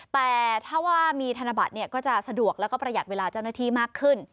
แต่ถ้าว่ามีธนบัตรก็จะสะดวกแล้วก็ประหยัดเวลาเจ้าหน้าที่มากขึ้น